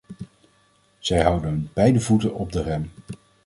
Zij houden beide voeten op de rem.